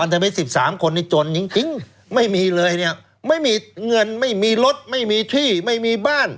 ทำให้๑๓คนนี้จนจริงไม่มีเลยเนี่ยไม่มีเงินไม่มีรถไม่มีที่ไม่มีบ้าน